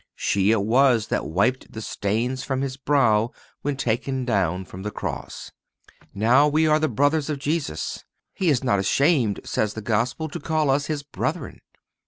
She it was that wiped the stains from His brow when taken down from the cross. Now we are the brothers of Jesus. He is not ashamed, says the Apostle, to call us His brethren.